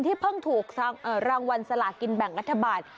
เพิ่งถูกรางวัลสลากินแบ่งรัฐบาล